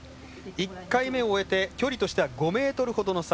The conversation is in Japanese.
１回目を終えて距離としては５ｍ程の差